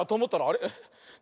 あれ？